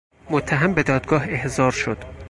متهم به دادگاه احضار شد.